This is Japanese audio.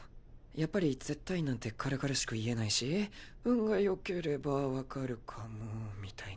やっぱり絶対なんて軽々しく言えないし運が良ければ分かるかもみたいな。